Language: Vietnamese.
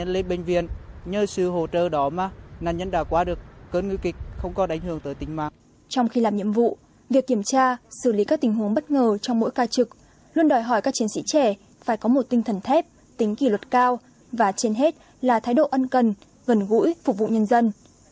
luôn đòi hỏi các chiến sĩ trẻ phải có một tinh thần thép tính kỷ luật cao và trên hết là thái độ ân cần gần gũi phục vụ nhân dân